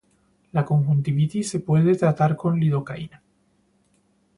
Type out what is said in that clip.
La conjuntivitis se puede tratar con lidocaína.